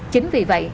chính vì vậy